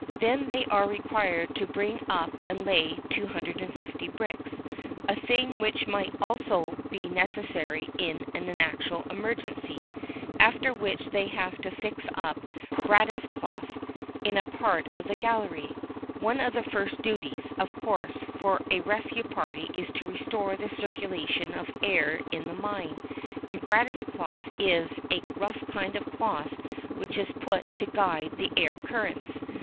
Then they are required to bring up and lay 250 bricks, a thing which might also be necessary in an actual emergency, after which they have to fix up "brattice cloth" in a part of the gallery. One of the first duties, of course, for a rescue party is to restore the circulation of air in the mine, and brattice cloth is a rough kind of cloth which is put to guide the air currents.